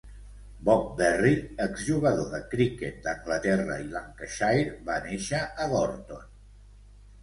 Bob Berry, exjugador de cricket d'Anglaterra i Lancashire, va néixer a Gorton.